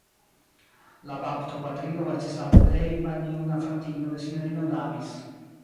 La baptopatrino estis la plej maljuna fratino de Sinjorino Davis.